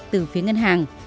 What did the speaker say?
từ phía ngân hàng